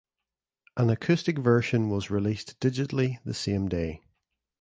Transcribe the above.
An acoustic version was released digitally the same day.